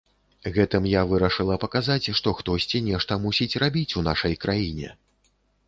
Гэтым я вырашыла паказаць, што хтосьці нешта мусіць рабіць у нашай краіне.